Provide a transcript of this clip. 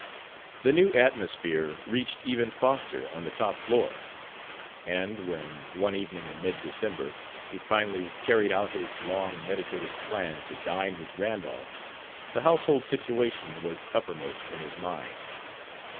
The new atmosphere reached even Foster on the top floor; and when, one evening in mid December, he finally carried out his long meditated plan to dine with Randolph, the household situation was uppermost in his mind.